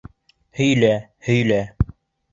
Һөйлә, һөйлә.